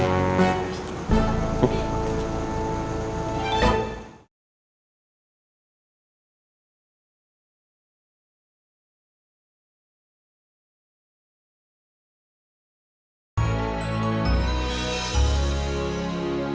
tuhan memberkati kita